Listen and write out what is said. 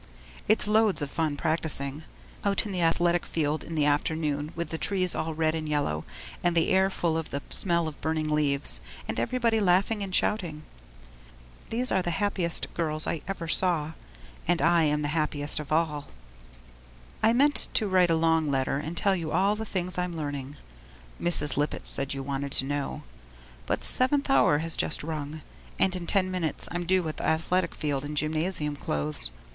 It's loads of fun practising out in the athletic field in the afternoon with the trees all red and yellow and the air full of the smell of burning leaves, and everybody laughing and shouting. These are the happiest girls I ever saw and I am the happiest of all! I meant to write a long letter and tell you all the things I'm learning (Mrs. Lippett said you wanted to know), but 7th hour has just rung, and in ten minutes I'm due at the athletic field in gymnasium clothes.